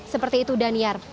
seperti itu daniar